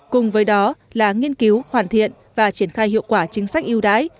cùng với đó là nghiên cứu hoàn thiện và triển khai hiệu quả chính sách yêu đái